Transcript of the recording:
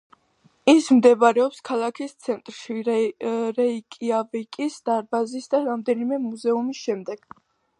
ის მდებარეობს ქალაქის ცენტრში რეიკიავიკის დარბაზის და რამდენიმე მუზეუმის შემდეგ.